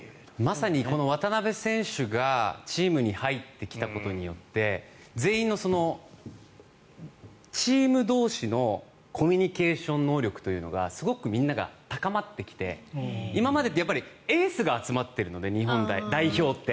まさにこの渡邊選手がチームに入ってきたことによって全員のチーム同士のコミュニケーション能力というのがすごくみんなが高まってきて今までってエースが集まってるので代表って。